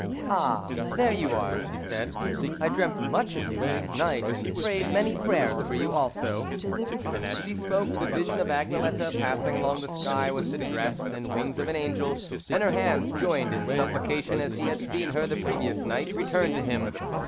"Ah! there you are," she said. "I dreamt much of you last night, and prayed many prayers for you also." And as she spoke, the vision of Agnelette passing along the sky, with the dress and wings of an Angel, and her hands joined in supplication, as he had seen her the previous night, returned to him.